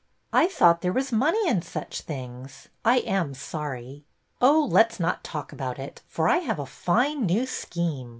'' I thought there was money in such things. I am sorry." Oh, let us not talk about it, for I have a fine new scheme.